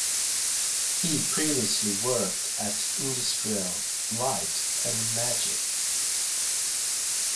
He previously worked at Industrial Light and Magic.